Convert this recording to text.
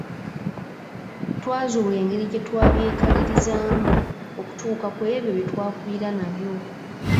Twazuula engeri gye twabyekalirizaamu okutuuka ku ebyo bye twakubira nabyo.